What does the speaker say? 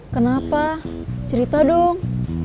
kenapa cerita dong